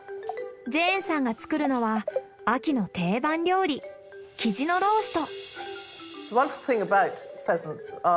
ジェーンさんが作るのは秋の定番料理キジのロースト。